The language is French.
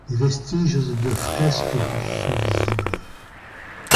Des vestiges de fresques du sont visibles.